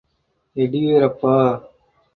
Yeddyurappa.